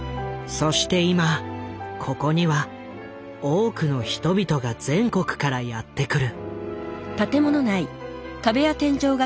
そして今ここには多くの人々が全国からやって来る。